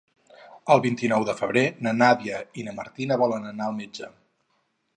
El vint-i-nou de febrer na Nàdia i na Martina volen anar al metge.